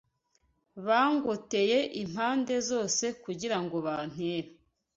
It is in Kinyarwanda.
Bangoteye impande zose kugira ngo bantere